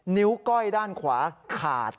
นิ้วก้อยด้านขวาขาด